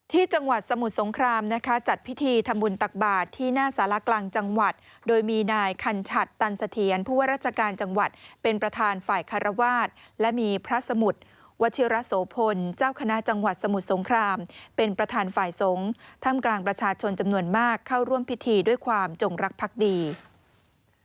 จังหวัดสมุทรสงครามนะคะจัดพิธีทำบุญตักบาทที่หน้าสารกลางจังหวัดโดยมีนายคัญชัดตันเสถียรผู้ว่าราชการจังหวัดเป็นประธานฝ่ายคารวาสและมีพระสมุทรวัชิระโสพลเจ้าคณะจังหวัดสมุทรสงครามเป็นประธานฝ่ายสงฆ์ถ้ำกลางประชาชนจำนวนมากเข้าร่วมพิธีด้วยความจงรักพักดี